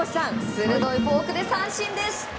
鋭いフォークで三振です。